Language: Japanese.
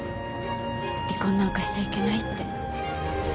離婚なんかしちゃいけないって。